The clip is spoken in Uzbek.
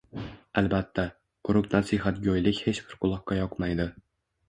Albatta, quruq nasihatgoʻylik hech bir quloqqa yoqmaydi